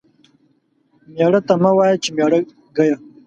ميړه ته مه وايه چې ميړه گيه.